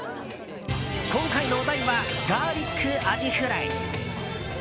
今回のお題はガーリックアジフライ。